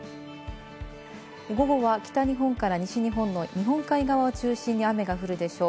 午後は北日本から西日本の日本海側を中心に雨が降るでしょう。